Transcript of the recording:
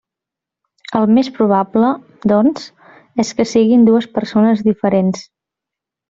El més probable, doncs, és que siguin dues persones diferents.